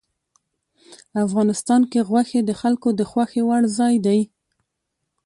افغانستان کې غوښې د خلکو د خوښې وړ ځای دی.